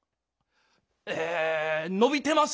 え伸びてます。